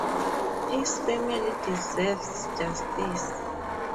His family deserves justice.